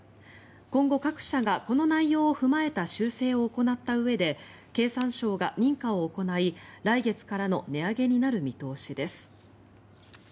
今後、各社がこの内容を踏まえた修正を行ったうえで経産省が認可を行い来月からの値上げになる見通しです。